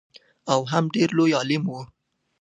او هم ډېر لوی عالم و.